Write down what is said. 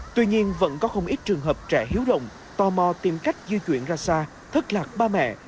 tuy nhiên vẫn có không ít trường hợp trẻ hiếu rộng tò mò tìm cách di chuyển ra xa thất lạc ba mẹ